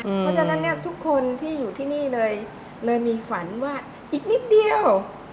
เพราะฉะนั้นเนี่ยทุกคนที่อยู่ที่นี่เลยเลยมีฝันว่าอีกนิดเดียว